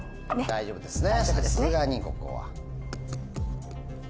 大丈夫ですね。